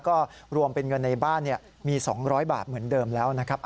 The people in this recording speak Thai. ก็รวมเป็นเงินในบ้านมี๒๐๐บาทเหมือนเดิมแล้วนะครับ